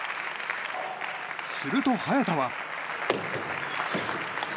すると、早田は。